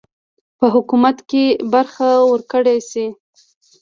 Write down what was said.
په حکومت کې برخه ورکړه سي.